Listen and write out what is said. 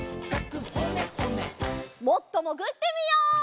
もっともぐってみよう！